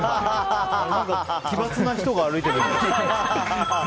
何か、奇抜な人が歩いてる。